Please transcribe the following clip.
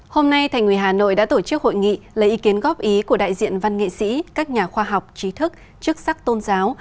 hôm nay thành ủy hà nội đã tổ chức hội nghị lấy ý kiến góp ý của đại diện văn nghệ sĩ các nhà khoa học trí thức chức sắc tôn giáo